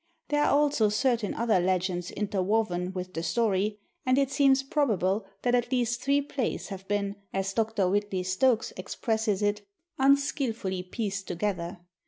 There are also certain other legends interwoven with the story, and it seems probable that at least three plays have been, as Dr. Whitley Stokes expresses it, "unskillfully pieced together."